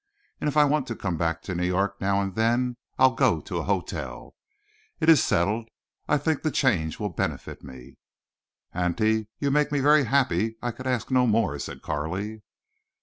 And if I want to come back to New York now and then I'll go to a hotel. It is settled. I think the change will benefit me." "Auntie, you make me very happy. I could ask no more," said Carley.